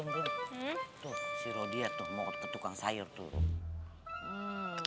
rumrum tuh siro dia tuh mau ke tukang sayur turun